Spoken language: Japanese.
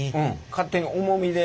勝手に重みで。